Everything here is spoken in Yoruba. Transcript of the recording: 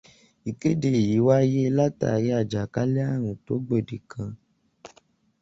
Ìkéde yìí wáyé látàrí àjàkálẹ̀ ààrùn tó gbòde kàn.